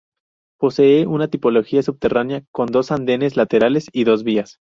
Posee una tipología subterránea con dos andenes laterales y dos vías.